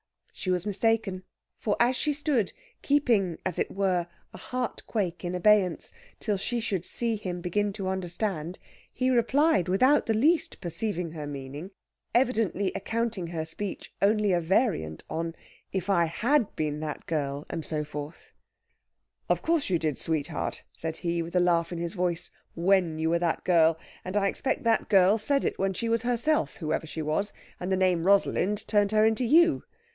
She was mistaken. For as she stood, keeping, as it were, a heartquake in abeyance, till she should see him begin to understand, he replied without the least perceiving her meaning evidently accounting her speech only a variant on "If I had been that girl," and so forth "Of course you did, sweetheart," said he, with a laugh in his voice, "when you were that girl. And I expect that girl said it when she was herself, whoever she was, and the name Rosalind turned her into you?